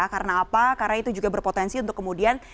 karena apa karena itu juga berpotensi untuk kemudian